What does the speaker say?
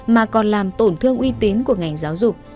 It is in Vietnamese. mà còn làm tổn thương uy tín của ngành giáo dục